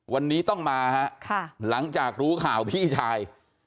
วันนี้ต้องมาฮะหลังจากรู้ข่าวพี่ชาย